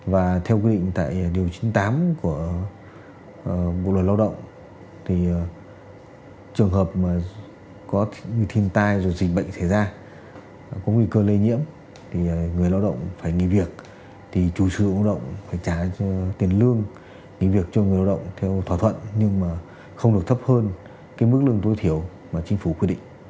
và theo quy định tại điều chín mươi tám của bộ luật lao động thì trường hợp mà có như thiên tai rồi dịch bệnh xảy ra có nguy cơ lây nhiễm thì người lao động phải nghỉ việc thì chủ sưu lao động phải trả tiền lương nghỉ việc cho người lao động theo thỏa thuận nhưng mà không được thấp hơn cái mức lương tối thiểu mà chính phủ quy định